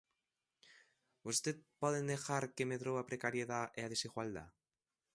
¿Vostede pode negar que medrou a precariedade e a desigualdade?